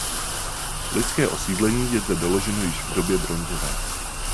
Lidské osídlení je zde doloženo již v době bronzové.